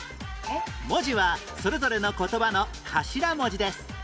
文字はそれぞれの言葉の頭文字です